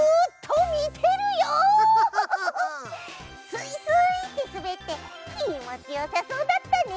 すいすいってすべってきもちよさそうだったね！